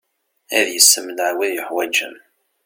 Ad yessemneɛ wid yuḥwaǧen.